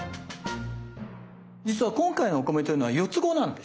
実は今回のお米というのは４つ子なんですね。